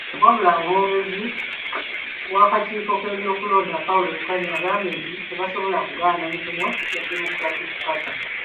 Wabula omwogezi w'akakiiko k'ebyokulonda, Paul Bukenya, agambye nti tebasobola kugaana mikono gya Democratic Party.